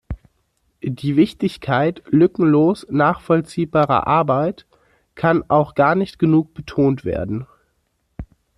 Die Wichtigkeit lückenlos nachvollziehbarer Arbeit kann auch gar nicht genug betont werden.